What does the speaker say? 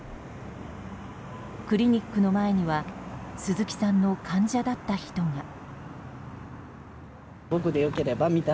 クリニックの前には鈴木さんの患者だった人が。